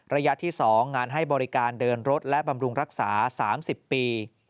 ระยะที่๒งานให้บริการเดินรถและบำรุงรักษา๓๐ปี